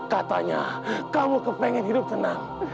katanya kamu kepengen hidup tenang